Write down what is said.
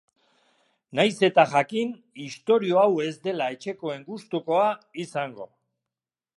Nahiz eta jakin istorio hau ez dela etxekoen gustukoa izango.